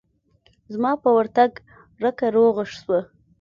زما په ورتگ رکه روغه سوه.